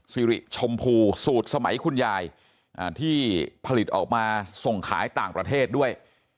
สิริชมพูสูตรสมัยคุณยายที่ผลิตออกมาส่งขายต่างประเทศด้วย